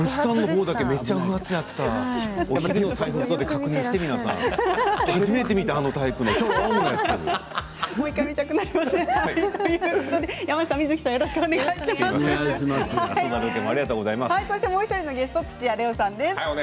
もう１人のゲスト土屋礼央さんです。